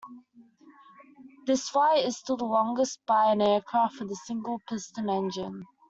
This flight is still the longest by an aircraft with a single piston engine.